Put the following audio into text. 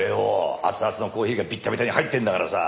熱々のコーヒーがビッタビタに入ってるんだからさ。